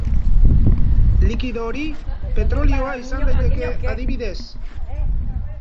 Likido hori, petrolioa izan daiteke, adibidez.